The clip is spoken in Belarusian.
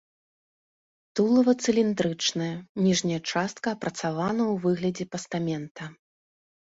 Тулава цыліндрычнае, ніжняя частка апрацавана ў выглядзе пастамента.